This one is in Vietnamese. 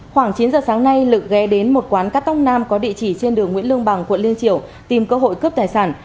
khoảng chín giờ sáng nay lực ghé đến một quán cắt tóc nam có địa chỉ trên đường nguyễn lương bằng quận liên triều tìm cơ hội cướp tài sản